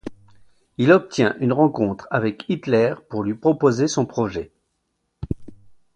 Il obtient une rencontre avec Hitler pour lui proposer son projet.